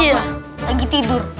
iya lagi tidur